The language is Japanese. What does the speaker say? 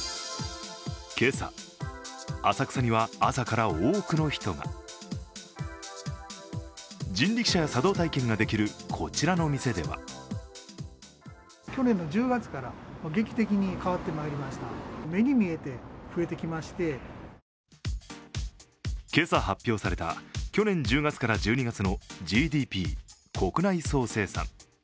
今朝、浅草には朝から多くの人が人力車や茶道体験ができるこちらの店では今朝発表された去年１０月から１２月のＧＤＰ＝国内総生産。